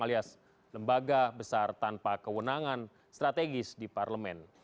alias lembaga besar tanpa kewenangan strategis di parlemen